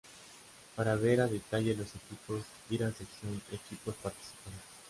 Para ver a detalle los equipos ir a sección -Equipos participantes-.